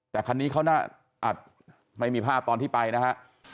แต่คันนี้เขาน่าอัดไม่มีภาพตอนที่ไปนะฮะ